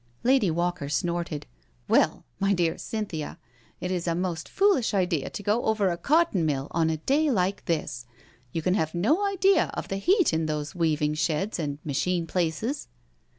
Lady Walker snorted: "Well, my dear Cynthia, it is a most foolish idea to go over a cotton mill on a day like this. You can have no idea of the heat in those weaving sheds and machine places."